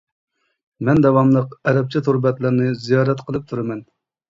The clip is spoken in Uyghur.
مەن داۋاملىق ئەرەبچە تور بەتلەرنى زىيارەت قىلىپ تۇرىمەن.